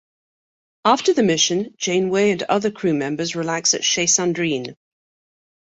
After the mission, Janeway and other crew members relax at "Chez Sandrine".